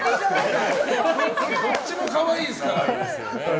どっちも可愛いですから。